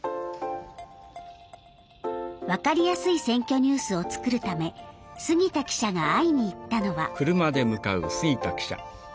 分かりやすい「選挙ニュース」を作るため杉田記者が会いに行ったのは。